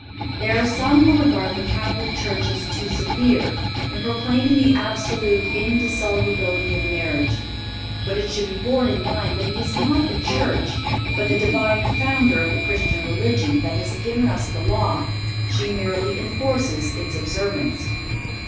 There are some who regard the Catholic Church as too severe in proclaiming the absolute indissolubility of marriage. But it should be borne in mind that it is not the Church, but the Divine Founder of the Christian religion, that has given us the law. She merely enforces its observance.